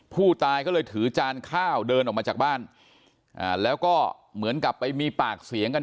ผู้ตายก็เลยถือจานข้าวเดินออกมาจากบ้านแล้วก็เหมือนกับไปมีปากเสียงกัน